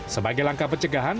sebagai langkah pencegahan